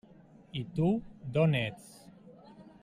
I tu, d'on ets?